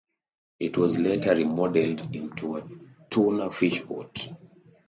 It was later remodeled into a tuna fishing boat.